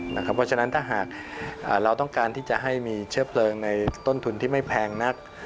เพราะฉะนั้นถ้าหากเราต้องการที่จะให้มีเชื้อเพลิงในต้นทุนที่ไม่แพงนัก